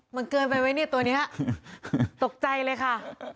มันเกินไปไหมเนี่ยตัวนี้ตกใจเลยค่ะ